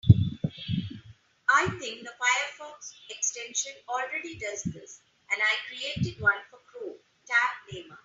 I think the Firefox extension already does this, and I created one for Chrome, Tab Namer.